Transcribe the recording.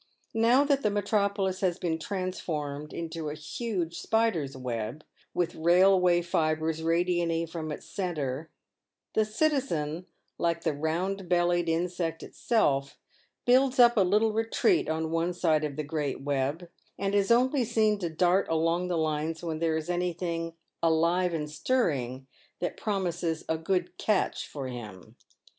Now that the metropolis has been transformed into a huge spider's web, with rail way fibres radiating from its centre, the citizen, like the round bellied insect itself, builds up a little retreat on one side of the great web, and is only seen to dart along the lines when there is anything " alive and stirring" that promises a "good catch" for him.